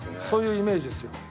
そういうイメージですよ。